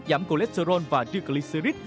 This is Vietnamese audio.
giảm cholesterol và triglycerides